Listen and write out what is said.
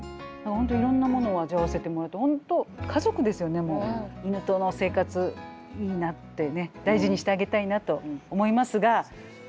本当いろんなものを味わわせてもらって本当犬との生活いいなってね大事にしてあげたいなと思いますが。